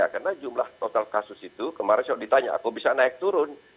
karena jumlah total kasus itu kemarin sudah ditanya aku bisa naik turun